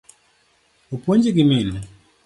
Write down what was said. Opuonji gi minu?